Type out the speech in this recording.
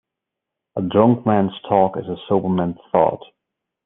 A drunk man's talk is a sober man's thought.